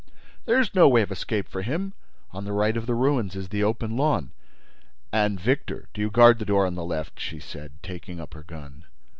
"There's no way of escape for him. On the right of the ruins is the open lawn—" "And, Victor, do you guard the door, on the left," she said, taking up her gun.